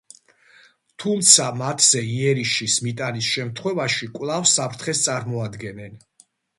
თუმცა მათზე იერიშის მიტანის შემთხვევაში კვლავ საფრთხეს წარმოადგენენ.